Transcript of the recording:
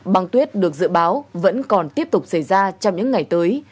băng tuyết được dự báo vẫn còn tiếp tục xảy ra trong những ngày tới